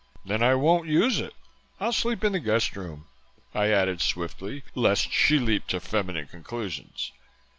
"Then I won't use it. I'll sleep in the guest room," I added swiftly, lest she leap to feminine conclusions.